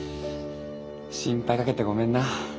心配かけてごめんな。